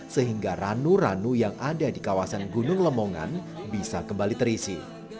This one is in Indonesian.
sehingga ranu ranu yang ada di kawasan gunung lemongan bisa kembali terisi